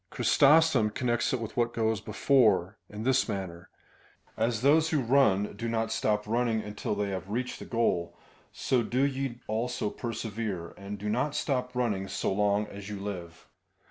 Chrysostom connects it with what goes before, in this manner : as those who run do not stop running until they have reached the goal, so do ye also persevere, and do not stop running so long as you live.